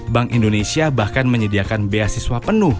bank indonesia bahkan menyediakan beasiswa penuh